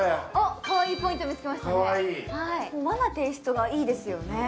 かわいいポイント見つけましたね、和のテイストがいいですよね。